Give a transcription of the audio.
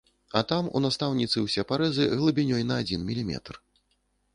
А там, у настаўніцы ўсе парэзы глыбінёй на адзін міліметр.